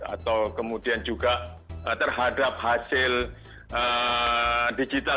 atau kemudian juga terhadap hasil digital